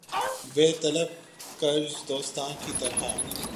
بے طلب قرض دوستاں کی طرح